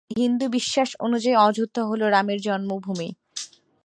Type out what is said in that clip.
হিন্দু বিশ্বাস অনুযায়ী অযোধ্যা হল রামের জন্মভূমি।